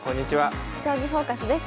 「将棋フォーカス」です。